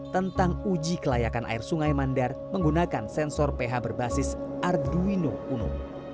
tentang uji kelayakan air sungai mandar menggunakan sensor ph berbasis arduinum uno